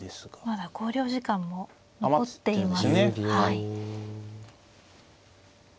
まだ考慮時間も残しています。